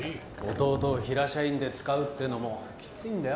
弟を平社員で使うっていうのもきついんだよ